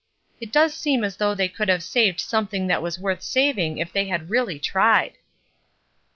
It does seem as though they could have saved something that was worth saving if they had really tried."